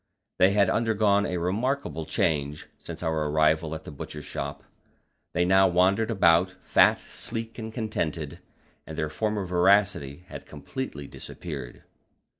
They had undergone a remarkable change since our arrival at the Butcher's Shop; they now wandered about, fat, sleek, and contented, and their former voracity had completely disappeared.